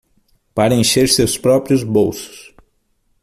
Para encher seus próprios bolsos.